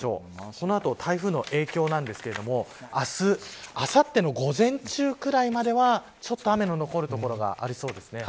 この後、台風の影響なんですが明日、あさっての午前中くらいまではちょっと雨の残る所がありそうです。